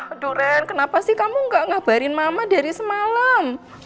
aduh ren kenapa sih kamu gak ngabarin mama dari semalam